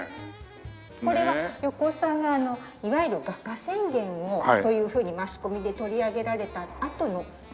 これは横尾さんがいわゆる画家宣言をというふうにマスコミで取り上げられたあとの。